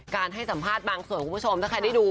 ให้สัมภาษณ์บางส่วนคุณผู้ชมถ้าใครได้ดู